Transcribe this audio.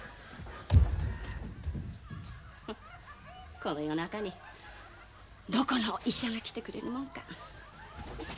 フッこの夜中にどこの医者が来てくれるもんか。